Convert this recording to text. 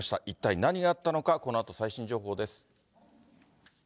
一体何があったのか、このあと最新情報です。